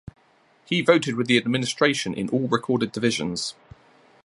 He voted with the Administration in all recorded divisions.